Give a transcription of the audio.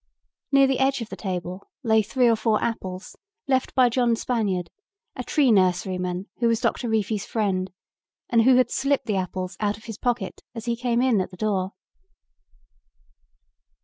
Near the edge of the table lay three or four apples left by John Spaniard, a tree nurseryman who was Doctor Reefy's friend, and who had slipped the apples out of his pocket as he came in at the door.